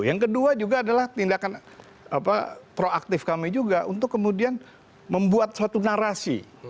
yang kedua juga adalah tindakan proaktif kami juga untuk kemudian membuat suatu narasi